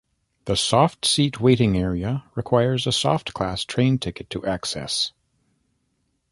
The Soft Seat waiting area requires a Soft Class train ticket to access.